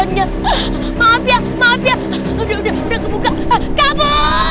udah udah udah kebuka